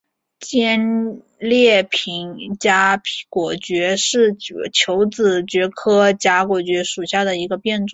尖裂荚果蕨为球子蕨科荚果蕨属下的一个变种。